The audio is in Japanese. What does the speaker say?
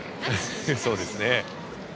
そうですね。